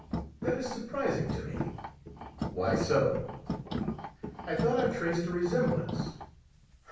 "That is surprising to me." "Why so?" "I thought I traced a resemblance."